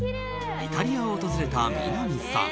イタリアを訪れた南さん。